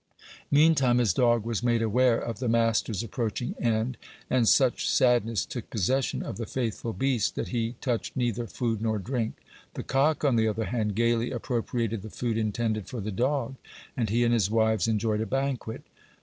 Meantime his dog was made aware of the master's approaching end, and such sadness took possession of the faithful beast that he touched neither food nor drink. The cock, on the other hand, gaily appropriated the food intended for the dog, and he and his wives enjoyed a banquet.